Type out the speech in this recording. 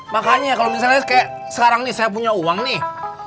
makanya kalau misalnya kayak sekarang nih saya punya uang nih